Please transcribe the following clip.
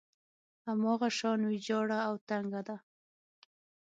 هماغه شان ويجاړه او تنګه ده.